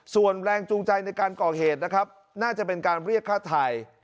ส่วนแรงจูงใจในการก่อเหตุนะครับน่าจะเป็นการเรียกฆ่าไทย